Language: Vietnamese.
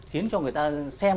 khiến cho người ta xem